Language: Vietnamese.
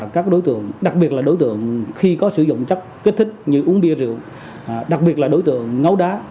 các đối tượng đặc biệt là đối tượng khi có sử dụng chất kích thích như uống bia rượu đặc biệt là đối tượng ngấu đá